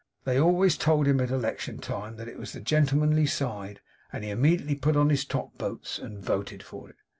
They always told him at election time, that it was the Gentlemanly side, and he immediately put on his top boots, and voted for it.